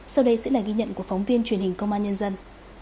sau đây sẽ là ghi nhận của phóng viên truyền hình công an nhân dân